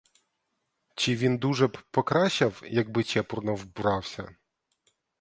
Чи він дуже б покращав, якби чепурно вбрався?